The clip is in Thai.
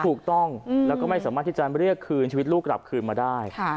ถูกต้องแล้วก็ไม่สามารถที่จะเรียกคืนชีวิตลูกกลับคืนมาได้